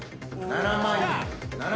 ７万円。